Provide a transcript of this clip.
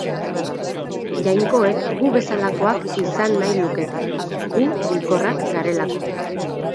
Jainkoek gu bezalakoak izan nahi lukete, gu hilkorrak garelako.